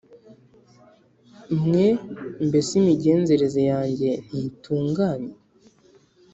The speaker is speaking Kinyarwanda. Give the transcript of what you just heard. Mwe mbese imigenzereze yanjye ntitunganye